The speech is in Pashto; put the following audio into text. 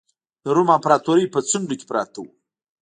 د روم امپراتورۍ په څنډو کې پراته وو.